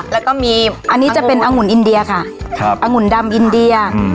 แล้วก็มีอันนี้จะเป็นองุ่นอินเดียค่ะครับองุ่นดำอินเดีย